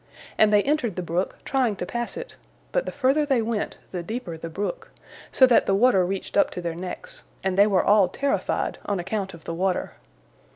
And they entered the brook, trying to pass it, but the further they went, the deeper the brook, so that the water reached up to their necks, and they were all terrified on account of the water.